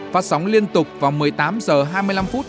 phát sóng liên tục vào một mươi tám h hai mươi năm